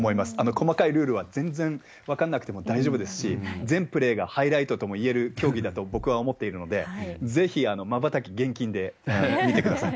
細かいルールは全然分かんなくても大丈夫ですし、全プレーがハイライトともいえる競技だと、僕は思っているので、ぜひまばたき厳禁で見てください。